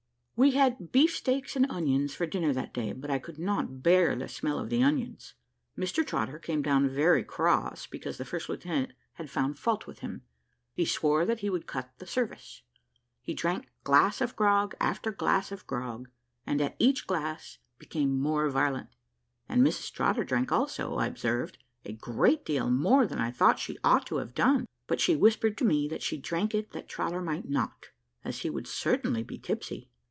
We had beef steaks and onions for dinner that day, but I could not bear the smell of the onions. Mr Trotter came down very cross, because the first lieutenant had found fault with him. He swore that he would cut the service. He drank glass of grog after glass of grog, and at each glass became more violent; and Mrs Trotter drank also, I observed, a great deal more than I thought she ought to have done; but she whispered to me, that she drank it that Trotter might not, as he would certainly be tipsy.